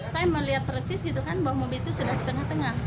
saya melihat persis gitu kan bahwa mobil itu sudah di tengah tengah